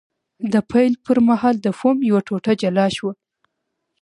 د پیل پر مهال د فوم یوه ټوټه جلا شوه.